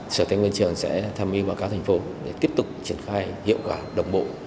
sở tây nguyên trường sẽ tham mưu báo cáo thành phố để tiếp tục triển khai hiệu quả đồng bộ